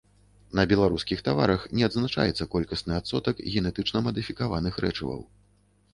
На беларускіх таварах не адзначаецца колькасны адсотак генетычна мадыфікаваных рэчываў.